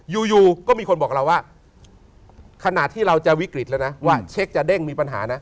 อยู่ก็มีคนบอกเราว่าขณะที่เราจะวิกฤตแล้วนะว่าเช็คจะเด้งมีปัญหานะ